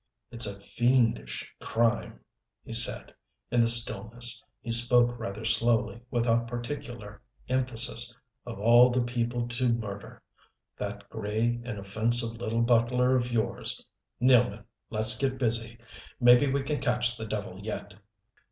"It's a fiendish crime," he said in the stillness. He spoke rather slowly, without particular emphasis. "Of all the people to murder that gray, inoffensive little butler of yours! Nealman, let's get busy. Maybe we can catch the devil yet."